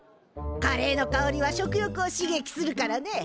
カレーのかおりは食欲を刺激するからね。